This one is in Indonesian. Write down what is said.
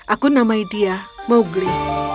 aku namai dia mowgli